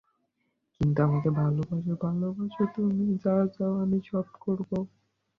কিন্তু আমাকে ভালোবাসো, ভালোবাসো তুমি, যা চাও আমি সব করব।